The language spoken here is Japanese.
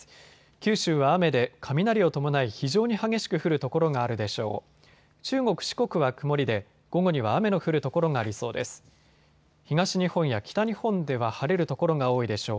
九州は雨で雷を伴い非常に激しく降る所があるでしょう。